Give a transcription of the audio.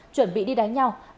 chuẩn bị đi đánh nhau